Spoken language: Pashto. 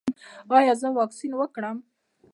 ایا زه واکسین وکړم؟